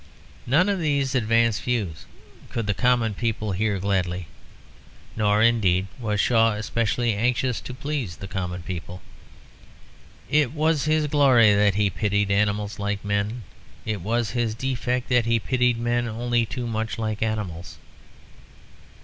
None of these advanced views could the common people hear gladly; nor indeed was Shaw specially anxious to please the common people. It was his glory that he pitied animals like men; it was his defect that he pitied men only too much like animals.